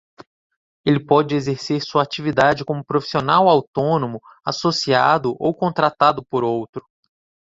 Ele pode exercer sua atividade como profissional autônomo, associado ou contratado por outro.